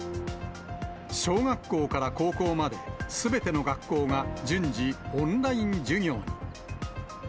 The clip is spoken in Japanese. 小学校から高校まで、すべての学校が順次、オンライン授業に。